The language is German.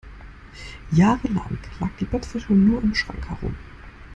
Jahrelang lag die Bettwäsche nur im Schrank herum.